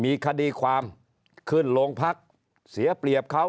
มีคดีความขึ้นโรงพรรค